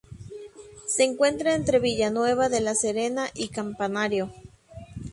Se encuentra entre Villanueva de la Serena y Campanario.